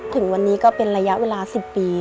ถึงวันนี้ก็เป็นระยะเวลา๑๐ปี